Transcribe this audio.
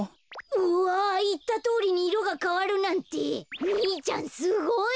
うわいったとおりにいろがかわるなんて兄ちゃんすごい！